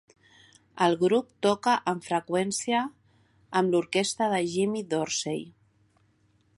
El grup toca amb freqüència amb l'orquestra de Jimmy Dorsey.